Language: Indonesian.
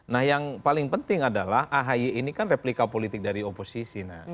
nah yang paling penting adalah ahy ini kan replika politik dari oposisi